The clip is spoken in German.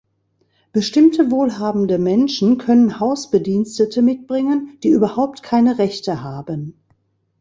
Bestimmte wohlhabende Menschen können Hausbedienstete mitbringen, die überhaupt keine Rechte haben.